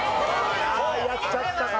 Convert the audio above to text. ああやっちゃったかも。